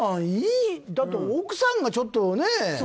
だって、奥さんがちょっとね。